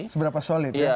seberapa solid ya